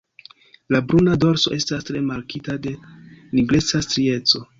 La bruna dorso estas tre markita de nigreca strieco.